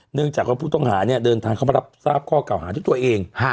เนื่องจากว่าผู้ต้องหาเนี่ยเดินทางเข้ามารับทราบข้อเก่าหาด้วยตัวเอง